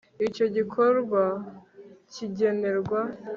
icyo igikorwa kigenerwa